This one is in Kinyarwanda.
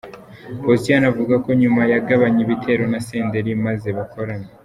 Posiyani avuga ko nyuma yagabanye ibitero na Senderi maze bakorana.